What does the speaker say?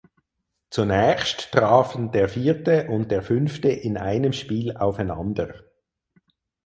Zunächst trafen der Vierte und der Fünfte in einem Spiel aufeinander.